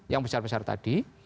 yang besar besar tadi